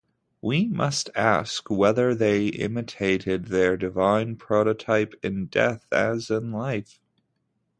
We must ask whether they imitated their divine prototype in death as in life.